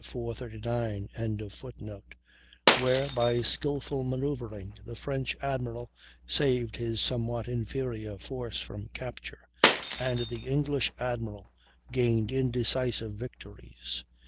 ], where, by skilful manoeuvring, the French admiral saved his somewhat inferior force from capture, and the English admiral gained indecisive victories.